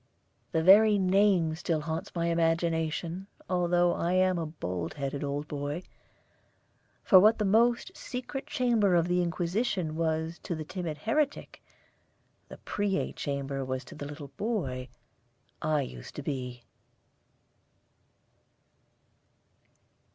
The very name still haunts my imagination, although I am a bald headed old boy, for what the most secret chamber of the Inquisition was to the timid heretic, the Preay Chamber was to the little boy I used to be.